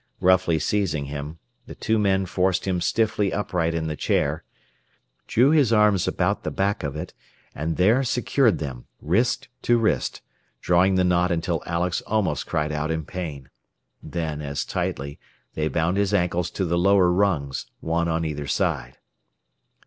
Roughly seizing him, the two men forced him stiffly upright in the chair, drew his arms about the back of it, and there secured them, wrist to wrist, drawing the knot until Alex almost cried out in pain. Then, as tightly, they bound his ankles to the lower rungs, one on either side.